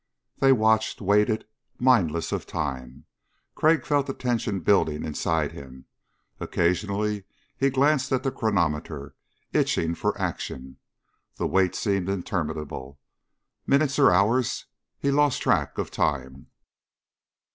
They watched ... waited ... mindless of time. Crag felt the tension building inside him. Occasionally he glanced at the chronometer, itching for action. The wait seemed interminable. Minutes or hours? He lost track of time.